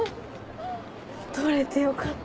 取れてよかったね。